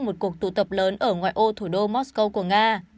một cuộc tụ tập lớn ở ngoài ô thủ đô mosco của nga